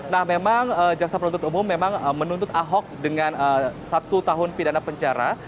nah memang jaksa penuntut umum memang menuntut ahok dengan satu tahun pidana penjara